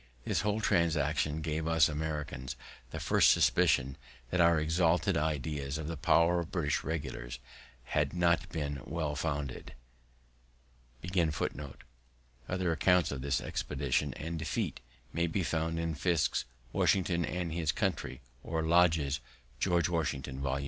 This whole transaction gave us Americans the first suspicion that our exalted ideas of the prowess of British regulars had not been well founded. Other accounts of this expedition and defeat may be found in Fiske's Washington and his Country, or Lodge's George Washington, Vol.